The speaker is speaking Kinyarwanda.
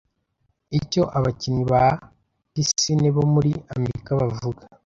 icyo abakinyi ba pisine bo muri Amerika bavuga